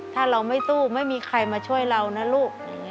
ถ้าเราไม่สู้ไม่มีใครมาช่วยเรานะลูก